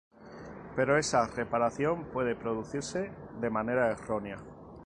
Pero esa reparación puede producirse de manera errónea.